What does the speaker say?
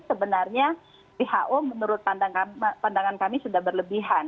sebenarnya who menurut pandangan kami sudah berlebihan